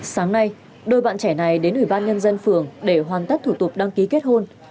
sáng nay đôi bạn trẻ này đến ủy ban nhân dân phường để hoàn tất thủ tục đăng ký kết hôn